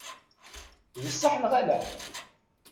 D sseḥ neɣ ala?